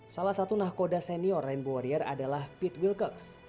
salah satu nahkoda senior rainbow warrior adalah pete wilcox